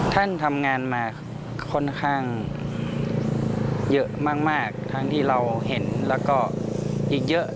ท่านทำงานมาค่อนข้างเยอะมากทั้งที่เราเห็นแล้วก็อีกเยอะ